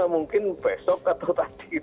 mungkin besok atau tadi